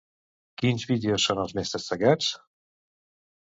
Quins vídeos són els més destacats?